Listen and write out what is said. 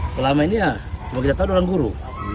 selama ini ya cuma kita tahu orang guru